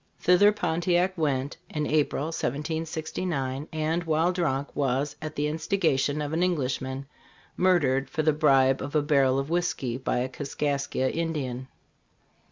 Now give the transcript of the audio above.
Thither Pontiac went, in April, 1769, and while drunk, was, at the instigation of an Englishman, murdered, for the bribe of a barrel of whisky, by a Kaskaskia Indian.